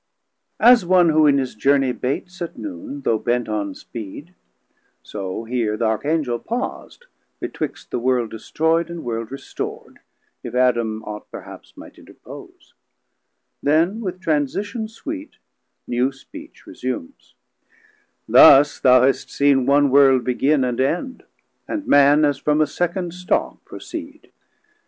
[As one who in his journey bates at Noone Though bent on speed, so heer the Archangel' paus'd Betwixt the world destroy'd and world restor'd, If Adam aught perhaps might interpose; Then with transition sweet new Speech resumes] Thus thou hast seen one World begin and end; And Man as from a second stock proceed.